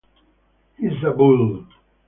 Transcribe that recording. He's a bull.